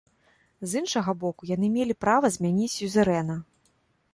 З іншага боку, яны мелі права змяніць сюзерэна.